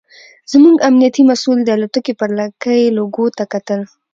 زموږ امنیتي مسوول د الوتکې پر لکۍ لوګو ته کتل.